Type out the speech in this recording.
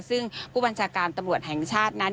ซึ่งผู้บัญชาการตำรวจแห่งชาตินั้น